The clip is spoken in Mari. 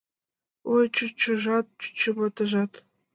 Ой, чӱчӱжат, чӱчӱватыжат...